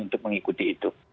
untuk mengikuti itu